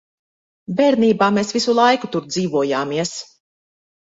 Bērnībā mēs visu laiku tur dzīvojāmies.